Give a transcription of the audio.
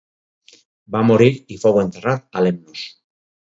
Va morir i fou enterrat a Lemnos.